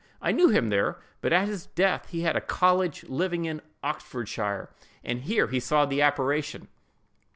I knew him there; but at his death he had a college living in Oxfordshire, and here he saw the apparition."